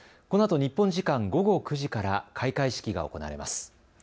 このあと日本時間、午後９時から開会式が行われます。